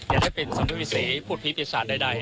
อย่าได้เป็นสมุทรศีรภูตผีปิศาจใด